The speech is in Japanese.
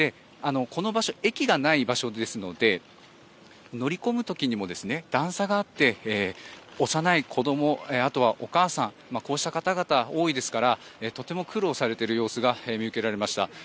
この場所、駅がない場所ですので乗り込む時にも段差があって幼い子供、お母さんこうした方々が多いですからとても苦労されている様子が見受けられました。